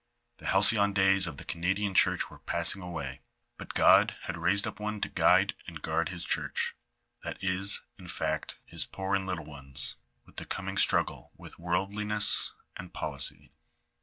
The halcyon days of the Canadian church were passing away, but God had raised up one to guide and guard his church, that is, in fact, his poor and little ones, in the coming struggle with worldliness and policy.